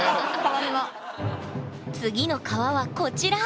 次の革はこちら！